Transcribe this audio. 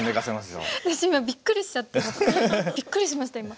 私今びっくりしちゃってびっくりしました今。